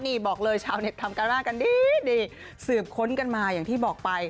นี่บอกเลยชาวเน็ตทำการ่ากันดีสืบค้นกันมาอย่างที่บอกไป